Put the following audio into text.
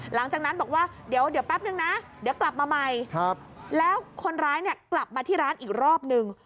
หลังจากนั้นบอกว่าเดี๋ยวแป๊บนึงนะเดี๋ยวกลับมาใหม่แล้วคนร้ายเนี่ยกลับมาที่ร้านอีกรอบนึง